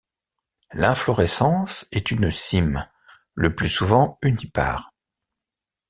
L'inflorescence est une cyme, le plus souvent unipare.